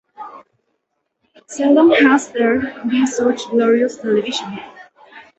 Seldom has there been such glorious television.